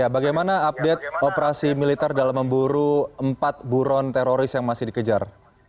bagaimana update operasi militer dalam memburu empat buron teroris yang masih dikejar